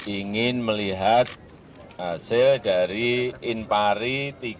ingin melihat hasil dari impari tiga puluh dua